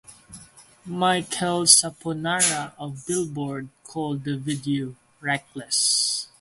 Michael Saponara of "Billboard" called the video "reckless".